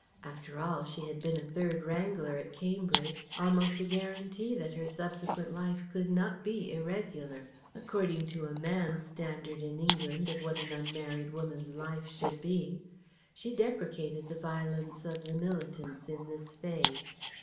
After all, she had been a third wrangler at Cambridge, almost a guarantee that her subsequent life could not be irregular, according to a man's standard in England of what an unmarried woman's life should be. She deprecated the violence of the militants in this phase.